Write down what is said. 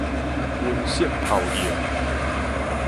溫室效應